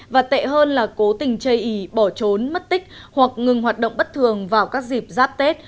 và tệ hơn là cố tình chây ý bỏ trốn mất tích hoặc ngừng hoạt động bất thường vào các dịp giáp tết